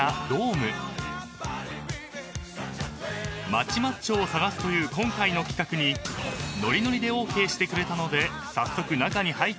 ［街マッチョを探すという今回の企画にノリノリでＯＫしてくれたので早速中に入ってみると］